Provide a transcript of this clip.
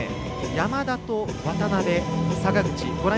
山田と渡部、坂口。